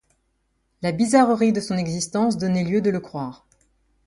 La bizarrerie de son existence donnait lieu de le croire.